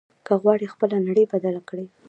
که غواړې خپله نړۍ بدله کړې.